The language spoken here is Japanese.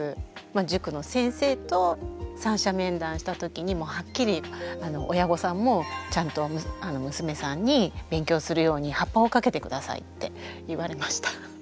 塾の先生と三者面談した時にもうはっきり親御さんもちゃんと娘さんに勉強するようにハッパをかけて下さいって言われました。